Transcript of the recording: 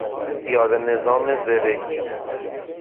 پیاده نظام زرهی